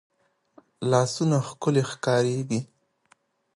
لاسونه ښکلې ښکارېږي